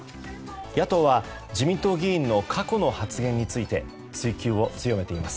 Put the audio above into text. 野党は、自民党議員の過去の発言について追及を強めています。